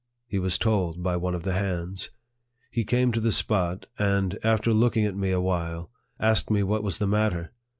He was told by one of the hands. He came to the spot, and, after looking at me awhile, asked me what was the matter.